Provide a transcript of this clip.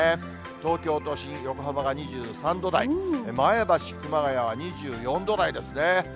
東京都心、横浜が２３度台、前橋、熊谷は２４度台ですね。